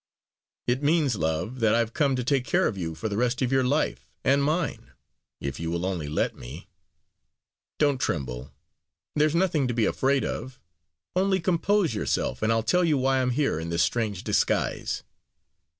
"It means, love, that I've come to take care of you for the rest of your life and mine, if you will only let me. Don't tremble there's nothing to be afraid of! Only compose yourself, and I'll tell you why I am here in this strange disguise.